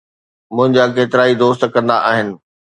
منهنجا ڪيترائي دوست ڪندا آهن.